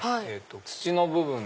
土の部分で。